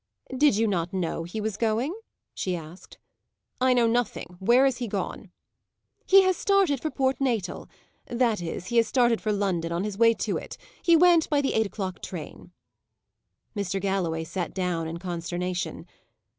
"Did you not know he was going?" she asked. "I know nothing. Where is he gone?" "He has started for Port Natal; that is, he has started for London, on his way to it. He went by the eight o'clock train." Mr. Galloway sat down in consternation.